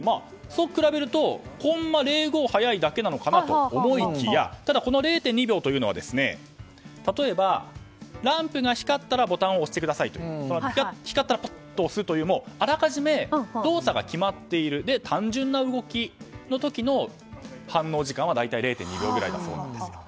そう比べるとコンマ０．５秒速いだけかと思いきやただ、０．２秒は例えばランプが光ったらボタンを押してくださいという光ったらぱっと押すというようなあらかじめ動作が決まっている単純な動きの時の反応時間は大体０．２秒ぐらいだそうです。